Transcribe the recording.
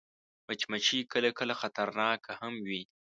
مچمچۍ کله کله خطرناکه هم وي